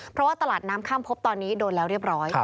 เพราะว่าตลาดน้ำข้ามพบตอนนี้โดนแล้วเรียบร้อย